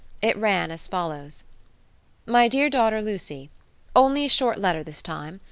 It ran as follows: My dear daughter, Lucy, Only a short letter this time.